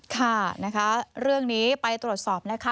ค่ะเรื่องนี้ไปตรวจสอบแล้วค่ะ